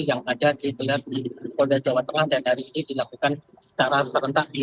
yang ada digelar di polda jawa tengah dan hari ini dilakukan secara serentak